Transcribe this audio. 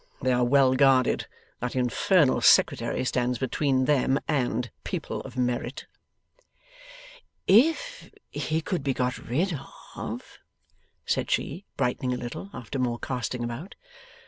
They are well guarded. That infernal Secretary stands between them and people of merit.' 'If he could be got rid of?' said she, brightening a little, after more casting about.